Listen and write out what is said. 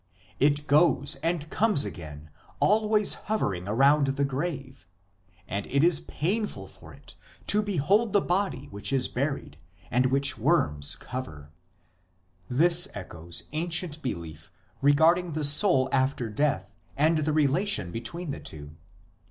It goes and comes again, always hovering around the grave ; and it is painful for it to behold the body which is buried and which worms cover " (Tanchuma, Wayyikra, viii.). 1 This echoes ancient belief regarding the soul after death and the relation between the two.